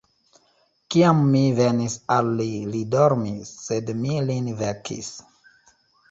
Kiam mi venis al li, li dormis; sed mi lin vekis.